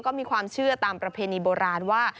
ก็มีความเชื่อตามประเพณีโบราณว่า